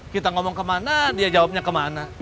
kita ngomong kemana dia jawabnya kemana